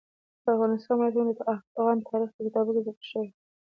د افغانستان ولايتونه د افغان تاریخ په کتابونو کې ذکر شوی دي.